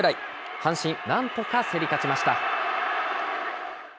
阪神、なんとか競り勝ちました。